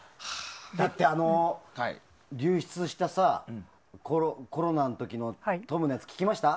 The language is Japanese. だって、流出したコロナの時のトムのやつ聞きました？